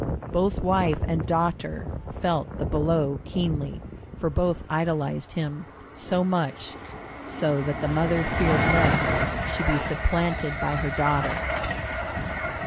Both wife and daughter felt the blow keenly, for both idolized him, so much so that the mother feared lest she be supplanted by her daughter.